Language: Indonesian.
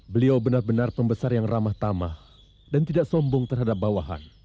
beliau benar benar pembesar yang ramah tamah dan tidak sombong terhadap bawahan